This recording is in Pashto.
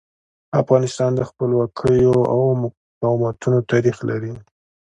افغانستان د خپلواکیو او مقاومتونو تاریخ لري.